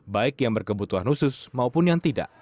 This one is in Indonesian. baik yang berkebutuhan khusus maupun yang tidak